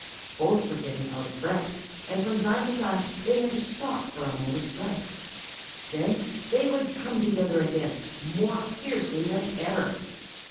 Both were getting out of breath, and from time to time they had to stop for a moment's rest. Then they would come together again more fiercely than ever.